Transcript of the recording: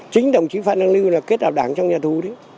chính đồng chí phan đăng lưu là kết đạo đảng trong nhà tù